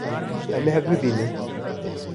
Em ê hev bibînin.